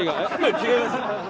違います。